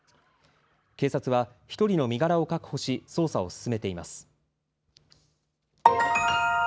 警察は１人の身柄を確保し捜査を進めています。